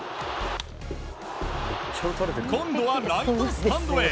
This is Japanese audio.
今度はライトスタンドへ。